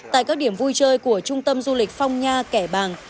tại các điểm vui chơi của trung tâm du lịch phong nha kẻ bàng